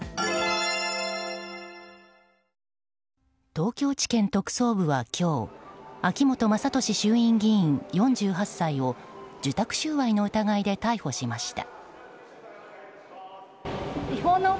東京地検特捜部は今日秋本真利衆議院議員、４８歳を受託収賄の疑いで逮捕しました。